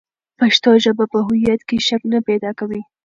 پښتو ژبه په هویت کې شک نه پیدا کوي.